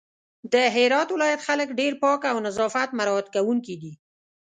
د هرات ولايت خلک ډېر پاک او نظافت مرعت کونکي دي